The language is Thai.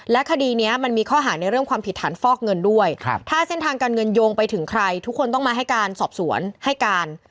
คดีนี้มันมีข้อหาในเรื่องความผิดฐานฟอกเงินด้วยถ้าเส้นทางการเงินโยงไปถึงใครทุกคนต้องมาให้การสอบสวนให้การ